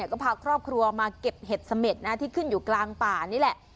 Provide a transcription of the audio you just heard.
ก็พาครอบครัวมาเก็บเห็ดเสม็ดนะที่ขึ้นอยู่กลางป่านี่แหละ